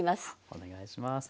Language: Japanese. お願いします。